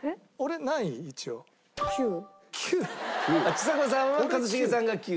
ちさ子さんは一茂さんが９。